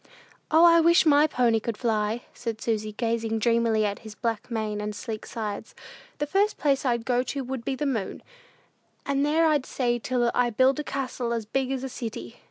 "O, I wish my pony could fly," said Susy, gazing dreamily at his black mane and sleek sides. "The first place I'd go to would be the moon; and there I'd stay till I built a castle as big as a city.